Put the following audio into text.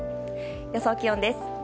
予想気温です。